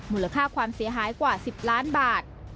มูลค่าความเสียหายกว่า๑๐ล้านบาท